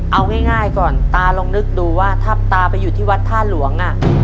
เอาง่ายก่อนตาลองนึกดูว่าถ้าตาไปอยู่ที่วัดท่าหลวง